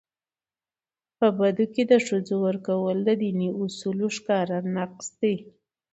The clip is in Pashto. په بدو کي د ښځو ورکول د دیني اصولو ښکاره نقض دی.